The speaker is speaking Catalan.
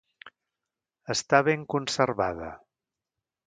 Està ben conservada.